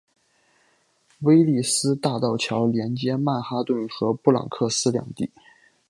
威利斯大道桥连接曼哈顿和布朗克斯两地。